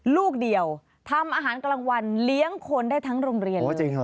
ลูกเดียวทำอาหารกลางวันเลี้ยงคนได้ทั้งโรงเรียน